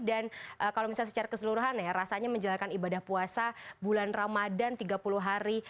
dan kalau misalnya secara keseluruhan rasanya menjalankan ibadah puasa bulan ramadan tiga puluh hari